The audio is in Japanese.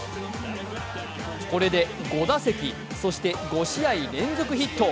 これで５打席そして５試合連続ヒット。